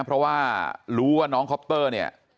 เพราะว่ารู้ว่าน้องคอปเตอร์เนี่ย